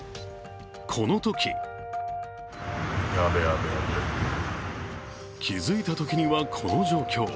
このとき気づいたときにはこの状況。